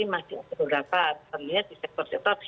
ini masih beberapa terutama di sektor sektor